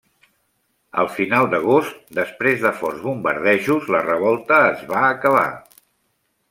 Al final d'agost, després de forts bombardejos, la revolta es va acabar.